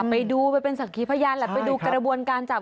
ไปดูเป็นศักยีพยานไปดูกระบวนการจับ